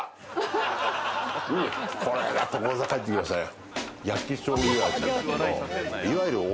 これで所沢帰ってきましたね。